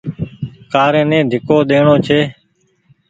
ڪآري ني ڍيڪو ڏيڻو ڇي۔